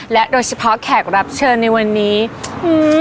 และโดยเฉพาะแขกรับทุกวันนี้นะครับ